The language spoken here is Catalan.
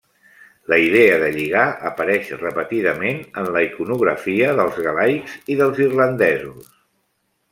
La idea de lligar apareix repetidament en la iconografia dels galaics i dels irlandesos.